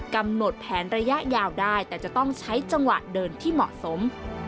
กำหนดแผนระยะยาวได้แต่จะต้องใช้จังหวะเดินที่เหมาะสม